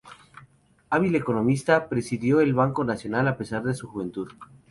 Hábil economista, presidió el Banco Nacional a pesar de su juventud.